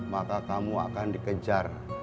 maka kamu akan dikejar